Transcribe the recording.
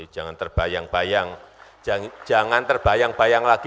jadi jangan terbayang bayang